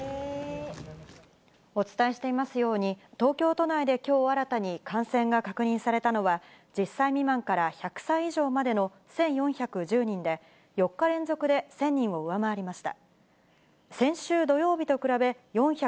お伝えしていますように、東京都内できょう新たに感染が確認されたのは、１０歳未満から１００歳以上までの１４１０人で、４日連続で１０００人を上回りました。